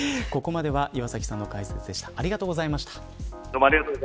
ここまでは岩崎さんの解説でした。